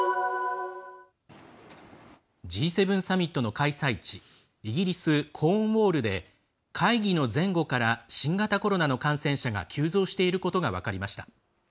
Ｇ７サミットの開催地イギリス・コーンウォールで会議の前後から新型コロナの感染者が急増していることが分かりました。